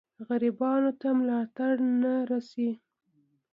غریبانو ته ملاتړ نه رسي.